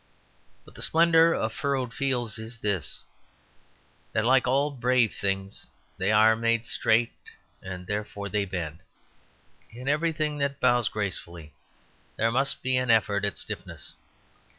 But the splendour of furrowed fields is this: that like all brave things they are made straight, and therefore they bend. In everything that bows gracefully there must be an effort at stiffness.